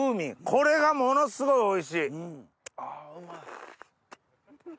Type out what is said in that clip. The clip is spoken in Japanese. これがものすごいおいしい。